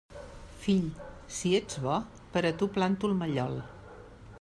Fill, si ets bo, per a tu planto el mallol.